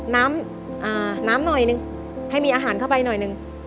น้ำน้ำหน่อยนึงให้มีอาหารเข้าไปหน่อยหนึ่ง